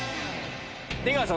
出川さん